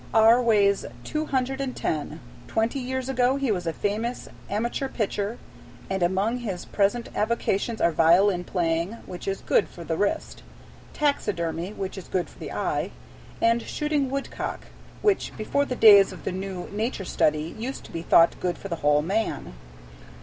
R. weighs two hundred and ten. Twenty years ago he was a famous amateur pitcher, and among his present avocations are violin playing, which is good for the wrist, taxidermy, which is good for the eye, and shooting woodcock, which before the days of the new Nature Study used to be thought good for the whole man.